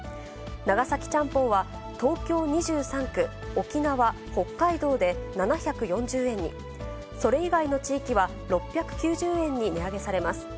長崎ちゃんぽんは、東京２３区、沖縄、北海道で７４０円に、それ以外の地域は６９０円に値上げされます。